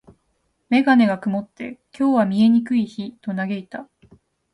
メガネが曇って、「今日は見えにくい日」と嘆いた。